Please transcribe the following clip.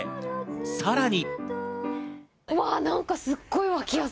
さらに。